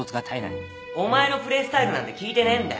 お前のプレースタイルなんて聞いてねえんだよ